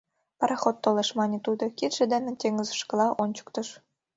— Пароход толеш, — мане тудо, кидше дене теҥызышкыла ончыктыш.